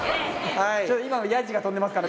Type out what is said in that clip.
今やじが飛んでますから。